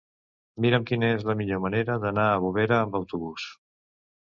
Mira'm quina és la millor manera d'anar a Bovera amb autobús.